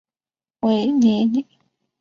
韦里尼。